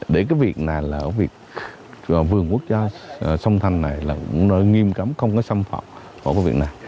để cái việc này là việc vườn quốc gia sông thanh này là nghiêm cấm không có xâm phạm không có việc này